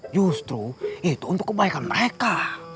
justru itu untuk kebaikan mereka